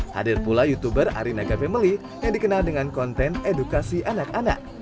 hadir pula youtuber arinaga family yang dikenal dengan konten edukasi anak anak